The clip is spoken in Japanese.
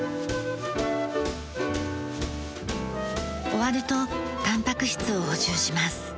終わるとタンパク質を補充します。